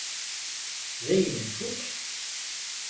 Dayen nfukk?